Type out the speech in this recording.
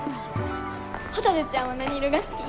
ほたるちゃんは何色が好き？